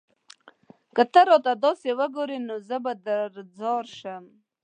که ته راته داسې وگورې؛ نو زه به درځار شم